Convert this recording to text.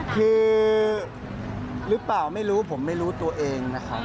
คือหรือเปล่าไม่รู้ผมไม่รู้ตัวเองนะครับ